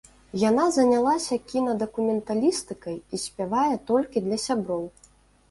Яна занялася кінадакументалістыкай і спявае толькі для сяброў.